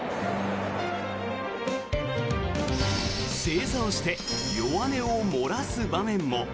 正座をして弱音を漏らす場面も。